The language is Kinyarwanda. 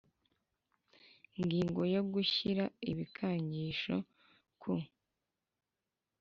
Ngingo ya gushyira ibikangisho ku